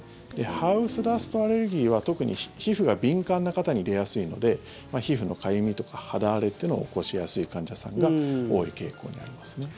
ハウスダストアレルギーは特に皮膚が敏感な方に出やすいので皮膚のかゆみとか肌荒れっていうのを起こしやすい患者さんが多い傾向にありますね。